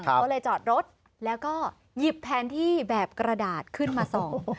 ก็เลยจอดรถแล้วก็หยิบแทนที่แบบกระดาษขึ้นมาส่อง